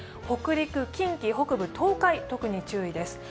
北陸、近畿北部、東海、特に注意です。